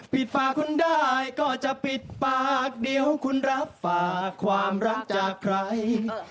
ปิดปากคุณได้ก็จะปิดปากเดี๋ยวคุณรับฝากความรักจากใคร